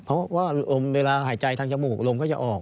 เพราะว่าลมเวลาหายใจทางจมูกลมก็จะออก